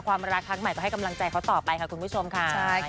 ความรักครั้งใหม่ก็ให้กำลังใจเขาต่อไปค่ะคุณผู้ชมค่ะ